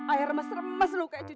ayah remas remas luka juta